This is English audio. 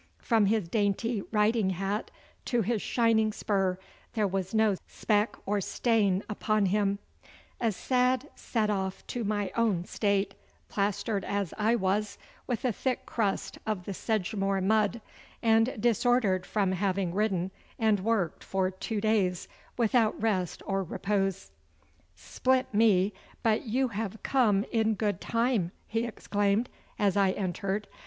From his dainty riding hat to his shining spur there was no speck or stain upon him a sad set off to my own state, plastered as I was with a thick crust of the Sedgemoor mud, and disordered from having ridden and worked for two days without rest or repose. 'Split me, but you have come in good time!' he exclaimed, as I entered.